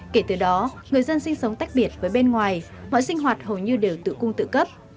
kể từ đó người dân sinh sống tách biệt với bên ngoài mọi sinh hoạt hầu như đều tự cung tự cấp